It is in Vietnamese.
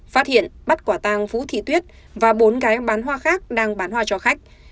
phát hiện bắt quả tàng vũ thị tuyết và bốn gái bán hoa khác đang bán hoa cho khách